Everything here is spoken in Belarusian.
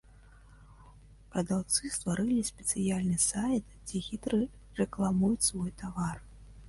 Прадаўцы стварылі спецыяльны сайт, дзе хітра рэкламуюць свой тавар.